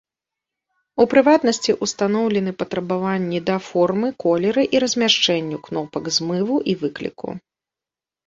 У прыватнасці, устаноўлены патрабаванні да формы, колеры і размяшчэнню кнопак змыву і выкліку.